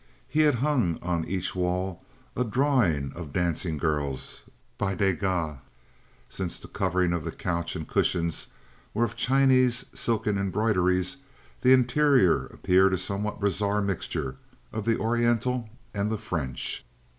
He had hung on each wall a drawing of dancing girls by Degas. Since the coverings of the couch and the cushions were of Chinese silken embroideries, the interior appeared a somewhat bizarre mixture of the Oriental and the French.